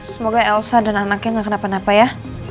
semoga elsa dan anaknya nggak kena kenapa kenapa ya